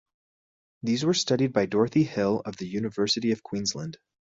These were studied by Dorothy Hill of the University of Queensland.